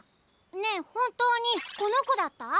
ねえほんとうにこのこだった？